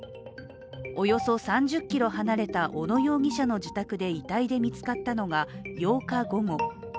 およそ３０ｋｍ離れた小野容疑者の自宅で遺体で見つかったのが、８日午後。